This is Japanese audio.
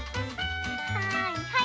はいはい。